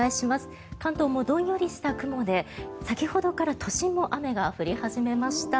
関東もどんよりした雲で先ほどから都心も雨が降り始めました。